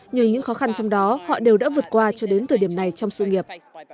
nhưng những khó khăn trong đó họ đều đã vượt qua cho đến thời điểm này trong sự nghiệp